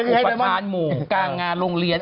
อุปกรณ์ทางหมู่กางงานโรงเรียน